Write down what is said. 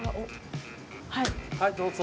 はいどうぞ。